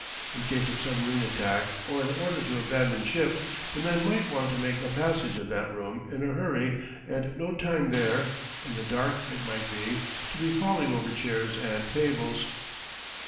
In case of submarine attack or an order to abandon ship, the men might want to make a passage of that room in a hurry and no time there in the dark it might be to be falling over chairs and tables.